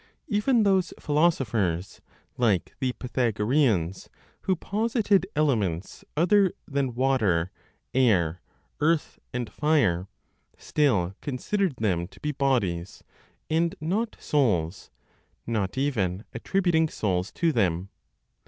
Even those (philosophers, like the Pythagoreans) who posited elements other (than water, air, earth and fire) still considered them to be bodies, and not souls, not even attributing souls to them.